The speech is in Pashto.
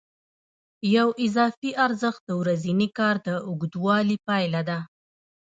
یو اضافي ارزښت د ورځني کار د اوږدوالي پایله ده